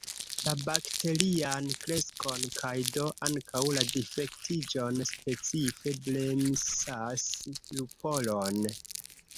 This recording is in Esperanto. La bakterian kreskon kaj do ankaŭ la difektiĝon specife bremsas lupolon.